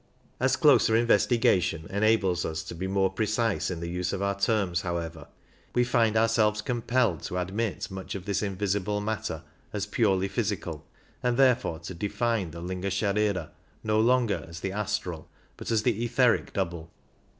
As closer investigation enables us to be more precise in the use of our terms, how ever, we find ourselves compelled to admit much of this invisible matter as purely physical, and therefore to define the Linga Sharira no longer as the astral, 'but as the etheric double.